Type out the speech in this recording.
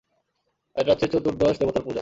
আজ রাত্রে চতুর্দশ দেবতার পূজা।